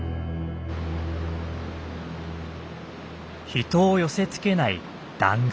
人を寄せつけない断崖。